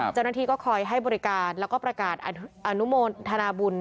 เจ้าหน้าที่ก็คอยให้บริการแล้วก็ประกาศอนุโมทนาบุญ